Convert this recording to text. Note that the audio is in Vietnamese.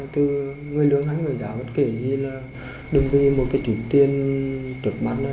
từ người lớn đến người già bất kỳ đừng vì một chủ tiên trực mắt